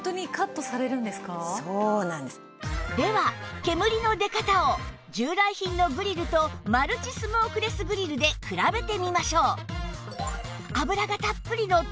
では煙の出方を従来品のグリルとマルチスモークレスグリルで比べてみましょう